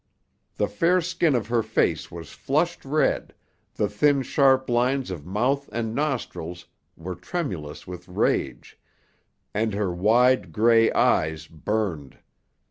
The fair skin of her face was flushed red, the thin sharp lines of mouth and nostril were tremulous with rage, and her wide, grey eyes burned.